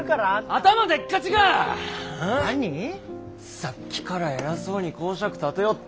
さっきから偉そうに講釈立てよって。